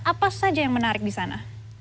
apa saja yang menarik di sana